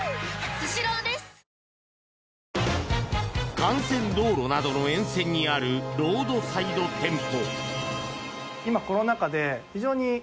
幹線道路などの沿線にあるロードサイド店舗。